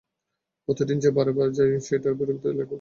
প্রতিদিন যে বারে যাই সেটার পরিবর্তে এখানে কেন এনেছ?